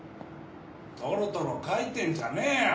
トロトロ書いてんじゃねえよ！